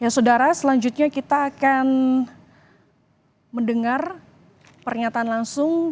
saudara selanjutnya kita akan mendengar pernyataan langsung